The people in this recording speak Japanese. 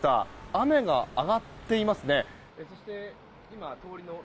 雨が上がっていますね。